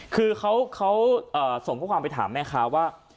คือเขาส่งข้อความไปถามแม่ค้าว่า